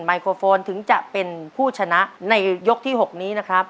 ไรโครโฟนถึงจะเป็นผู้ชนะในยกที่๖นี้นะครับ